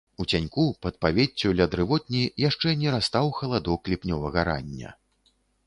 У цяньку, пад павеццю, ля дрывотні, яшчэ не растаў халадок ліпнёвага рання.